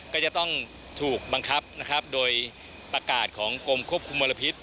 ก็จะต้องถูกบังคับนะครับโดยประกาศของกรมควบคุมมลพิษ